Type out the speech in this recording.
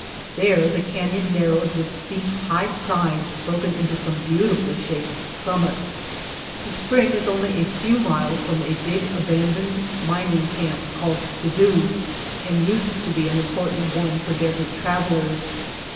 There the canyon narrowed with steep, high sides broken into some beautifully shaped summits. The spring is only a few miles from a big aban doned mining camp called Skidoo and used to be an important one for desert travelers.